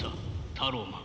タローマン。